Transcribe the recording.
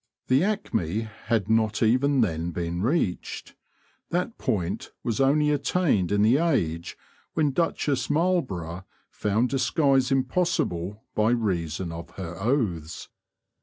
The acme had not even then been reached. That point was only attained in the age when Duchess Marlborough found disguise impossible by reason of her oaths.